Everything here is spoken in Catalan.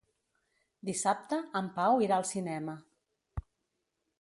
Dissabte en Pau irà al cinema.